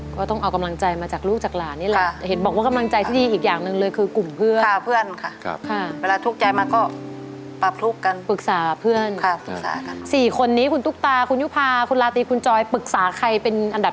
ก็ต้องเอากำลังใจมาจากลูกจากหลานนี้แหละเห็นบอกว่ากำลังใจที่ดีอีกอย่างหนึ่งเลยคือกลุ่มเพื่อนค่ะเพื่อนค่ะเวลาทุกข์ใจมาก็ปรับทุกข์กันปรึกษาเพื่อนค่ะปรึกษากัน